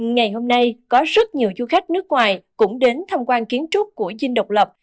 ngày hôm nay có rất nhiều du khách nước ngoài cũng đến tham quan kiến trúc của dinh độc lập